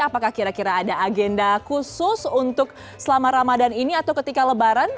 apakah kira kira ada agenda khusus untuk selama ramadan ini atau ketika lebaran